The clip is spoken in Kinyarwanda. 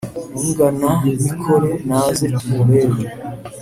ungana mikore naze tumurebe